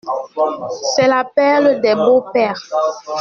C'est la perle des beaux-pères.